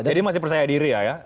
jadi masih percaya diri ya ya